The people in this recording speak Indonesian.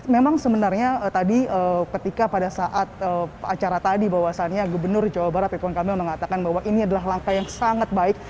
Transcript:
memang sebenarnya tadi ketika pada saat acara tadi bahwasannya gubernur jawa barat rituan kamil mengatakan bahwa ini adalah langkah yang sangat baik